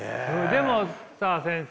でもさ先生。